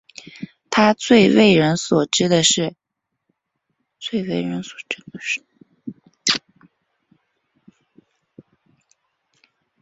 他最为人所知的是将太平洋中深层地震发生的深度与震央位置关系绘制成图。